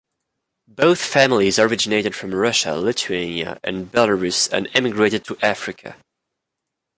Both families originated from Russia, Lithuania, and Belarus and emigrated to Africa.